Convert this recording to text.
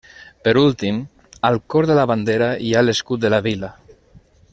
Per últim, al cor de la bandera hi ha l'escut de la vila.